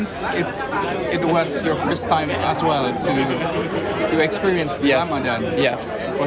saya berhasil menjalankan ramadan